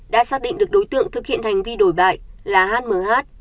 đã xác định được đối tượng thực hiện hành vi đổi bại là hmh